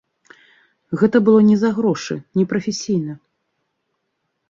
Гэта было не за грошы, непрафесійна.